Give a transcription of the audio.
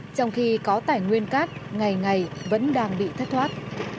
trong khi có tài nguyên cát ngày ngày vẫn đang bị thất thoát